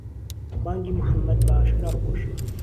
بانگی موحەمەد بە ئاشکرا خۆشە